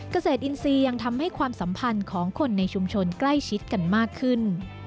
เกษตรอินทรีย์ยังทำให้ความสัมพันธ์ของคนในชุมชนใกล้ชิดกันมากขึ้น